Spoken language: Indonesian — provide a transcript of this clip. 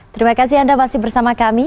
terima kasih anda masih bersama kami